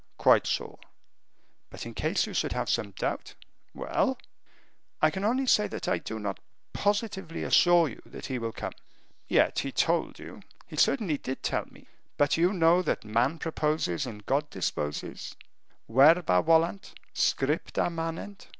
"Quite sure." "But in case you should have some doubt." "Well!" "I can only say that I do not positively assure you that he will come." "Yet he told you " "He certainly did tell me; but you know that man proposes and God disposes, verba volant, scripta manent."